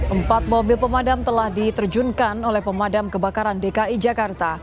empat mobil pemadam telah diterjunkan oleh pemadam kebakaran dki jakarta